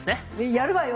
やるわよ